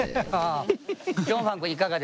ジョンファン君いかがですか？